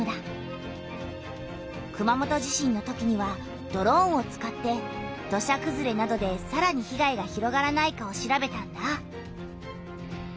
熊本地震のときにはドローンを使って土砂くずれなどでさらに被害が広がらないかを調べたんだ。